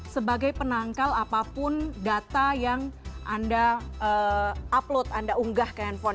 sebagai penangkal apapun data yang anda upload anda unggah ke handphone